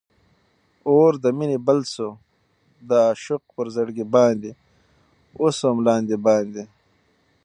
اور د مینی بل سو د عاشق پر زړګي باندي، اوسوم لاندی باندي